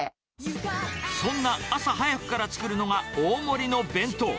そんな朝早くから作るのが、大盛りの弁当。